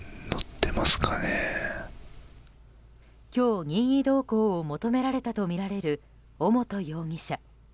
今日、任意同行を求められたとみられる尾本容疑者。